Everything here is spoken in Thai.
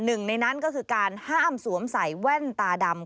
หนึ่งในนั้นก็คือการห้ามสวมใส่แว่นตาดำ